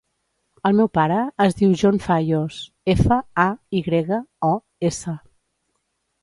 El meu pare es diu John Fayos: efa, a, i grega, o, essa.